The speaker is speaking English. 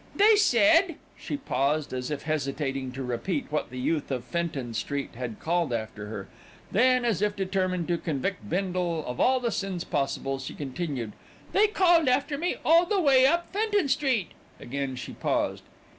"They said," she paused as if hesitating to repeat what the youth of Fenton Street had called after her. Then, as if determined to convict Bindle of all the sins possible, she continued, "They called after me all the way up Fenton Street " again she paused.